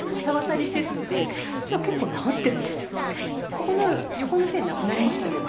ここの横の線なくなりましたよね。